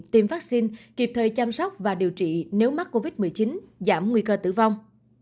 tiêm vaccine kịp thời chăm sóc và điều trị nếu mắc covid một mươi chín giảm nguy cơ tử vong